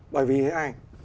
bởi vì thế này